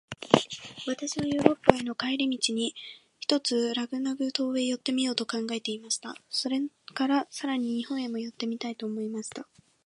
私はヨーロッパへの帰り途に、ひとつラグナグ島へ寄ってみようと考えていました。それから、さらに日本へも寄ってみたいと思いました。